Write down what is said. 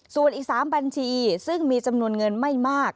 ส่วนอีก๓บัญชีซึ่งมีจำนวนเงินไม่มาก